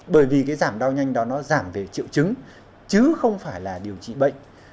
bởi vì cái giảm đau nhanh đó nó giảm về triệu chứng chứ không phải là điều trị bệnh